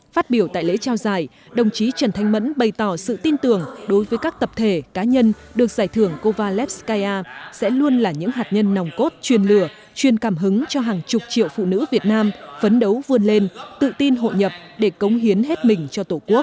phát biểu tại lễ trao giải đồng chí trần thanh mẫn bày tỏ sự tin tưởng đối với các tập thể cá nhân được giải thưởng kovalev skyar sẽ luôn là những hạt nhân nòng cốt chuyên lửa chuyên cảm hứng cho hàng chục triệu phụ nữ việt nam phấn đấu vươn lên tự tin hội nhập để cống hiến hết mình cho tổ quốc